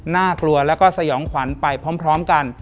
น่ากลัวแล้วก็สยองขวัญไปพร้อมกัน